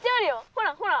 ほらほら。